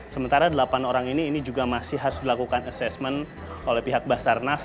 sementara delapan orang ini ini juga masih harus dilakukan assessment oleh pihak basarnas